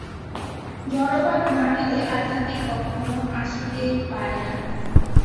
জড়বাদ না গেলে আধ্যাত্মিক কখনও আসিতে পারে না।